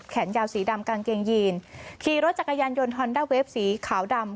ยาวสีดำกางเกงยีนขี่รถจักรยานยนต์ฮอนด้าเวฟสีขาวดำ